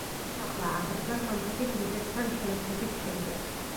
ხელახლა აღდგა სომხეთის რუსეთთან შეერთების შემდეგ.